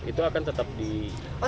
itu akan tetap didorong